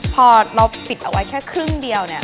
พอเราปิดเอาไว้แค่ครึ่งเดียวเนี่ย